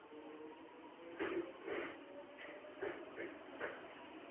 O tom vůbec nepochybuji.